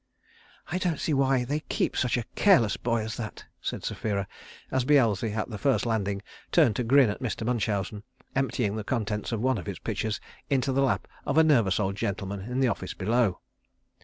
"I don't see why they keep such a careless boy as that," said Sapphira, as Beelzy at the first landing turned to grin at Mr. Munchausen, emptying the contents of one of his pitchers into the lap of a nervous old gentleman in the office below.